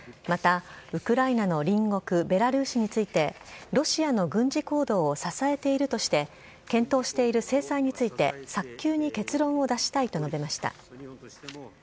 またウクライナの隣国、ベラルーシについて、ロシアの軍事行動を支えているとして、検討している制裁について早急に結論を出したいと述べました。